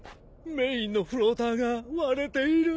メインのフローターが割れている。